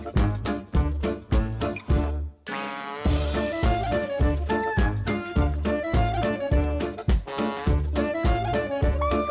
แล้วพี่จะไปไงพี่ผมไปไปยังไงอ่ะน่าจะไปไม่ได้อ่ะบ้าง